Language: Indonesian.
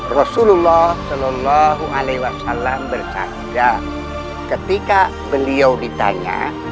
rasulullah saw bercanda ketika beliau ditanya